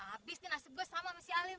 aku pun mah